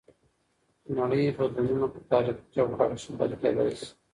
د نړۍ بدلونونه په تاریخي چوکاټ کې ښه درک کیدی شي.